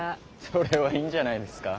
それはいいんじゃないですか？